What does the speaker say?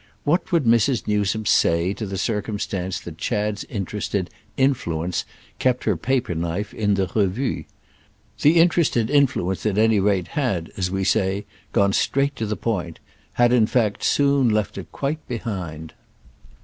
What would Mrs. Newsome say to the circumstance that Chad's interested "influence" kept her paper knife in the Revue? The interested influence at any rate had, as we say, gone straight to the point—had in fact soon left it quite behind.